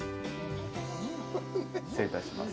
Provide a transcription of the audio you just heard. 失礼いたします。